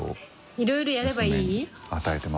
いろいろやればいい？